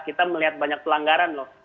kita melihat banyak pelanggaran loh